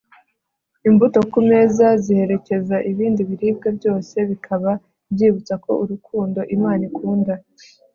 imbuto ku meza ziherekeza ibindi biribwa byose bikaba byibutsa ko urukundo imana ikunda